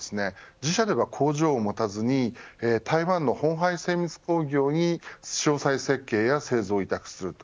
自社では工場を持たずに台湾の鴻海精密工業に詳細設計や製造を委託すると。